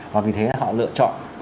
và vì thế họ lựa chọn